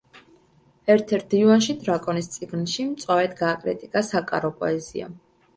ერთ-ერთ დივანში „დრაკონის წიგნში“ მწვავედ გააკრიტიკა საკარო პოეზია.